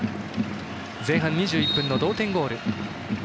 前半２１分の同点ゴール。